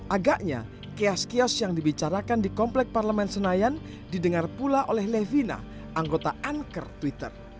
agaknya kios kios yang dibicarakan di komplek parlemen senayan didengar pula oleh levina anggota anchor twitter